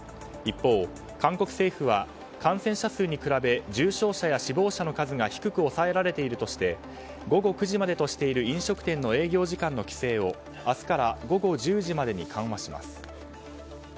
一方、韓国政府は感染者数に比べ重症者や死亡者の数が低く抑えられているとして午後９時までとしている飲食店の営業時間の規制を明日から午後１０時までに緩和します。